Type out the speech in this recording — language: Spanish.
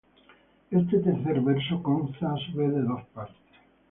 Este tercer verso consta a su vez de dos partes.